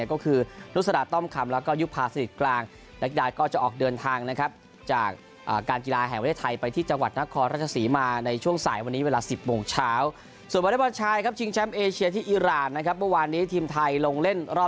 ก็คือนุษฎธต้อมคำแล้วก็ยุภาสถิตย์กลาง